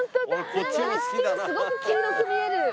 すごく黄色く見える。